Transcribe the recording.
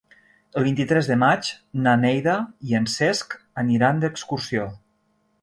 El vint-i-tres de maig na Neida i en Cesc aniran d'excursió.